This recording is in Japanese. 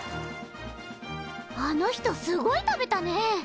あの人すごい食べたね。